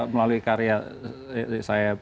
melalui karya saya